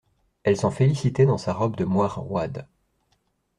Elle s'en félicitait dans sa robe de moire roide.